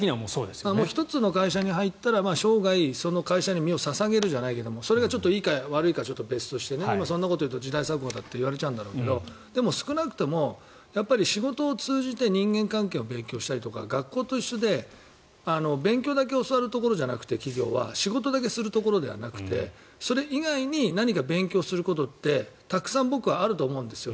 １つの会社に入ったら生涯、その会社に身を捧げるじゃないけどそれがいいか悪いかは別として今、そんなことを言うと時代錯誤だって言われちゃうんだけど少なくとも、仕事を通じて人間関係を勉強したりとか学校と一緒で企業は勉強だけ教わるところじゃなくて仕事だけするところじゃなくてそれ以外に何か勉強することってたくさん僕はあると思うんですよ。